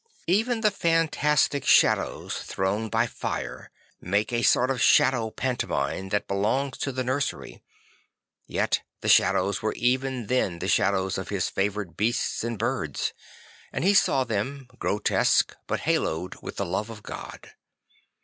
Even the fantastic shadows thrown by fire make a sort Qf shadow pantomime that belongs to the nursery; yet the shadows were even then the shadows of his favourite beasts and birds, as he saw them, grotesque but haloed with the love of God.